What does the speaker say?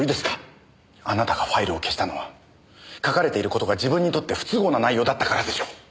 あなたがファイルを消したのは書かれている事が自分にとって不都合な内容だったからでしょう！